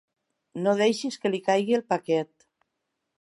No deixis que li caigui el paquet.